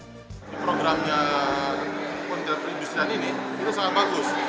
di programnya kementerian perindustrian ini itu sangat bagus